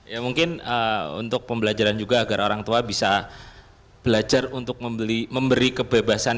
ya mungkin untuk pembelajaran juga agar orang tua bisa belajar untuk memberi kebebasan